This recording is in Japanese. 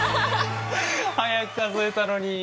速く数えたのに！